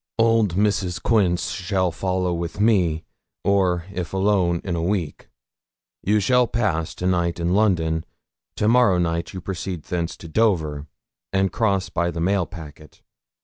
Old Mrs. Quince shall follow with me, or, if alone, in a week. You shall pass to night in London; to morrow night you proceed thence to Dover, and cross by the mail packet.